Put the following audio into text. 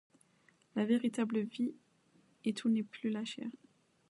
La véritable vie est où n’est plus la chair.